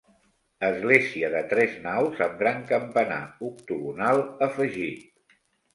Església de tres naus amb gran campanar octogonal afegit.